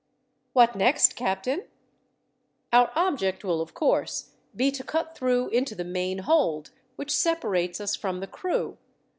"What next, captain?" "Our object will, of course, be to cut through into the main hold, which separates us from the crew.